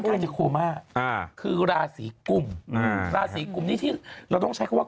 ท่านท่านคุม่าคือราศีกุมราศีกุมนี่ที่เราต้องใช้เข้าว่า